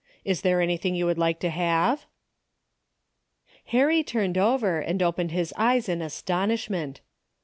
Is there anything you would like to have ?" Harry turned over and opened his eyes in astonishment.